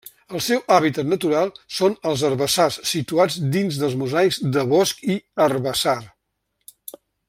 El seu hàbitat natural són els herbassars situats dins dels mosaics de bosc i herbassar.